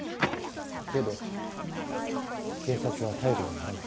けど警察は頼りにならないから。